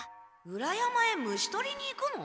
裏山へ虫とりに行くの？